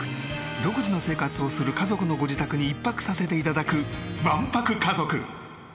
独自の生活をする家族のご自宅に１泊させて頂く『１泊家族』。